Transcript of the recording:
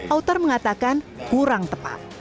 autar mengatakan kurang tepat